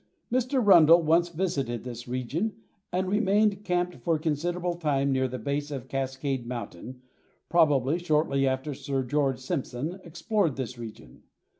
Mr. Rundle once visited this region and remained camped for a considerable time near the base of Cascade Mountain, probably shortly after Sir George Simpson explored this region.